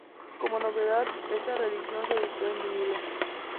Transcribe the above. Como novedad, esta reedición se editó en vinilo.